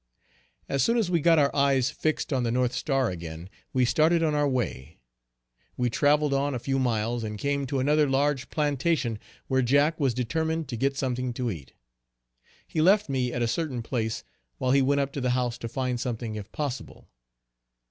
As soon as we got our eyes fixed on the North Star again, we started on our way. We travelled on a few miles and came to another large plantation, where Jack was determined to get something to eat. He left me at a certain place while he went up to the house to find something if possible.